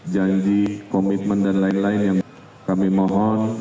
janji komitmen dan lain lain yang kami mohon